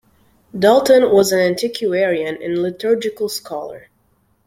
Dalton was an antiquarian and liturgical scholar.